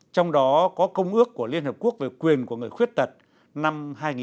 trong đó có công ước của liên hợp quốc về quyền của người khuyết tật năm hai nghìn một mươi